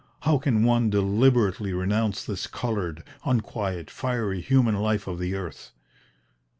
how can one deliberately renounce this coloured, unquiet, fiery human life of the earth?"